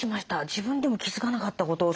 自分でも気付かなかったことを。